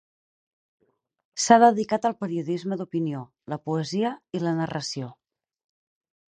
S'ha dedicat al periodisme d’opinió, la poesia i la narració.